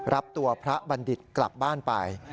รับตัวพระบัณฑิตกลับบ้านไป